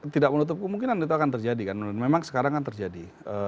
tidak menutup kemungkinan itu akan terjadi kan memang sekarang kan terjadi